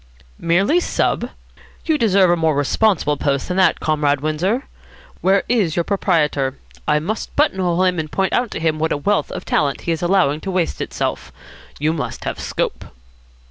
"Merely sub? You deserve a more responsible post than that, Comrade Windsor. Where is your proprietor? I must buttonhole him and point out to him what a wealth of talent he is allowing to waste itself. You must have scope."